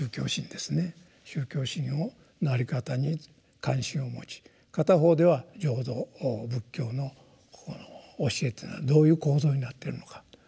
宗教心のあり方に関心を持ち片方では浄土仏教のこの教えというのはどういう構造になっているのかということ。